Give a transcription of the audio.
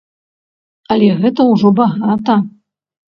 Але гэта ўжо багата.